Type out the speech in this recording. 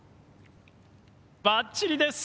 ばっちりです！